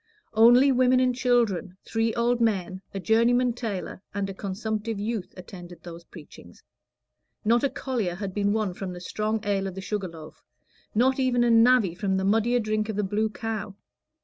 Only women and children, three old men, a journeyman tailor, and a consumptive youth, attended those preachings; not a collier had been won from the strong ale of the Sugar Loaf, not even a navvy from the muddier drink of the Blue Cow.